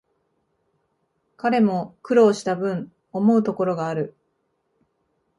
彼も苦労したぶん、思うところがある